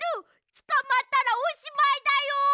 つかまったらおしまいだよ！